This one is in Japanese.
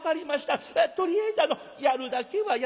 とりあえずやるだけはやらしてもらいます。